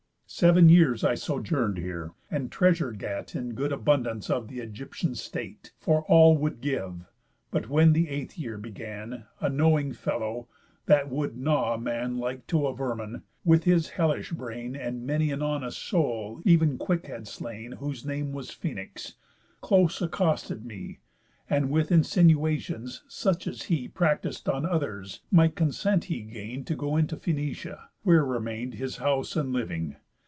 Seven years I sojourn'd here, and treasure gat In good abundance of th' Ægyptian state, For all would give; but when th' eighth year began, A knowing fellow (that would gnaw a man Like to a vermin, with his hellish brain, And many an honest soul ev'n quick had slain, Whose name was Phœnix) close accosted me, And with insinuations, such as he Practis'd on others, my consent he gain'd To go into Phœnicia, where remain'd His house, and living.